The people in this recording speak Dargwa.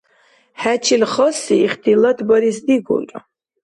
ХӀечил хасси ихтилат барес дигулра.